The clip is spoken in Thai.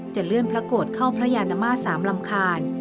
เลื่อนพระโกรธเข้าพระยานมา๓ลำคาญ